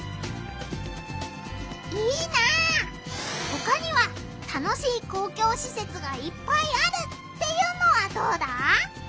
ほかには楽しい公共しせつがいっぱいあるっていうのはどうだ？